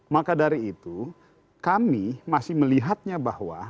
maka dari itu kami masih melihatnya bahwa